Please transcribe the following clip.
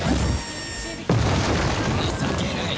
情けない。